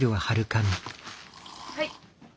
はい。